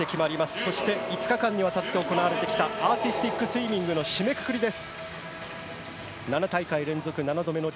そして５日間にわたって行われてきたアーティスティックスイミングの締めくくりです。